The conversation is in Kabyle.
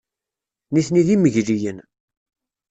Nitni d imegliyen.